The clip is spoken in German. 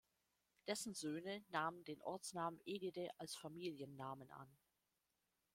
Dessen Söhne nahmen den Ortsnamen Egede als Familiennamen an.